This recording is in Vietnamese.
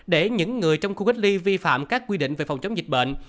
để những người trong khu cách ly vi phạm các quy định về phòng chống dịch bệnh